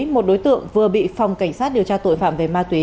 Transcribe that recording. một đối tượng vừa bị phòng cảnh sát điều tra tội phạm về ma túy